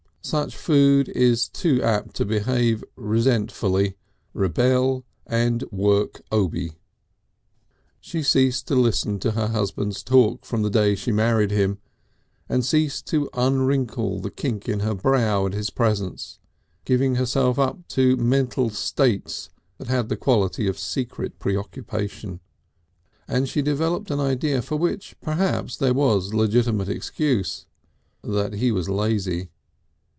Such food is too apt to behave resentfully, rebel and work Obi. She ceased to listen to her husband's talk from the day she married him, and ceased to unwrinkle the kink in her brow at his presence, giving herself up to mental states that had a quality of secret preoccupation. And she developed an idea for which perhaps there was legitimate excuse, that he was lazy.